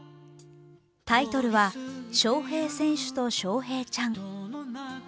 タイトルは「翔平選手と翔平ちゃん」。